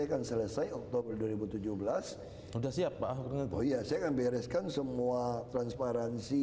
akan selesai oktober dua ribu tujuh belas sudah siap pak oh iya saya akan bereskan semua transparansi